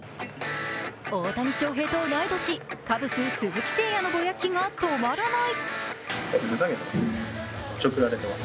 大谷翔平と同い年、カブス・鈴木誠也のぼやきが止まらない。